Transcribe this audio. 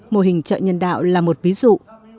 mô hình chợ nhân đạo là một ví dụ